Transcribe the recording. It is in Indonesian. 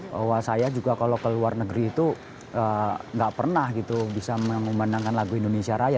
bahwa saya juga kalau ke luar negeri itu nggak pernah gitu bisa mengumandangkan lagu indonesia raya